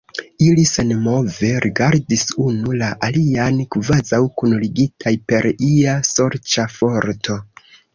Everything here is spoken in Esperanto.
Ili senmove rigardis unu la alian, kvazaŭ kunligitaj per ia sorĉa forto.